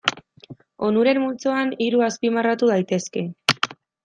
Onuren multzoan hiru azpimarratu daitezke.